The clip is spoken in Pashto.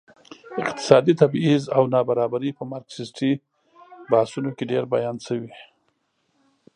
اقتصادي تبعيض او نابرابري په مارکسيستي بحثونو کې ډېر بیان شوي.